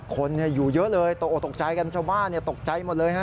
คนอยู่เยอะเลยตกออกตกใจกันชาวบ้านตกใจหมดเลยฮะ